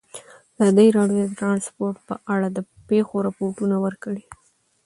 ازادي راډیو د ترانسپورټ په اړه د پېښو رپوټونه ورکړي.